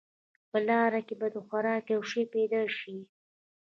په لاره کې به د خوراک یو شی پیدا شي.